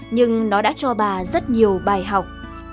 nhưng nó đã cho bà rất nhiều bài học